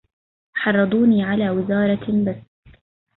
حرضوني على وزارة بست